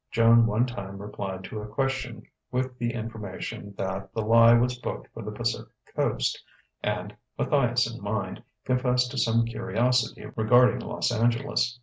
Joan one time replied to a question with the information that "The Lie" was booked for the Pacific Coast, and (Matthias in mind) confessed to some curiosity regarding Los Angeles.